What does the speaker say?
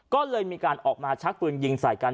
ก็เลยมีการออกมาชักปืนยิงใส่กัน